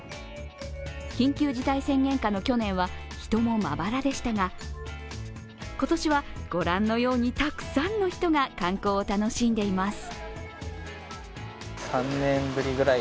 緊急事態宣言下の去年は人もまばらでしたが、今年は御覧のようにたくさんの人が観光を楽しんでいます。